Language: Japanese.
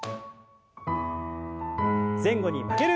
前後に曲げる運動。